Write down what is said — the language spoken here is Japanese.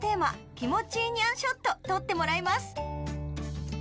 「気持ちいいニャン」ショット撮ってもらいます